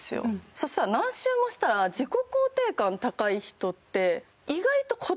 そしたら何周もしたら自己肯定感高い人って。